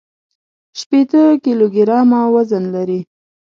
شپېته کيلوګرامه وزن لري.